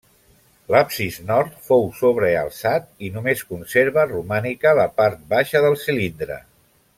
L'absis nord fou sobrealçat i només conserva romànica la part baixa del cilindre.